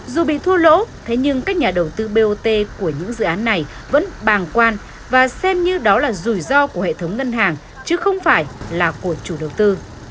dù bị thua lỗ thế nhưng các nhà đầu tư bot của những dự án này vẫn bàng quan và xem như đó là rủi ro của hệ thống ngân hàng chứ không phải là của chủ đầu tư